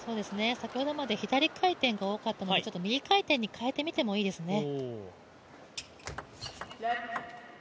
先ほどまで左回転が多かったので右回転に変えてみてもいいですね。